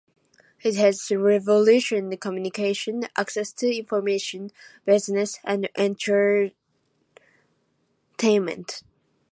It has revolutionized communication, access to information, business, and entertainment.